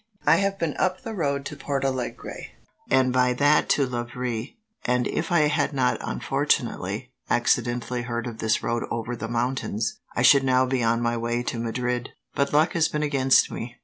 I have been up the road to Portalegre, and by that to Lavre; and if I had not, unfortunately, accidentally heard of this road over the mountains, I should now be on my way to Madrid; but luck has been against me."